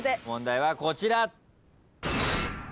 問題はこちら。